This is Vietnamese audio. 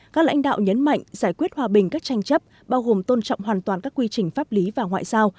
các lãnh đạo nhấn mạnh giải quyết hòa bình các tranh chấp bao gồm tôn trọng hoàn toàn các quy trình pháp lý và ngoại giao